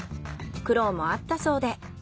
苦労もあったそうで。